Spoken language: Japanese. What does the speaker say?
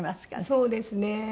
そうですね。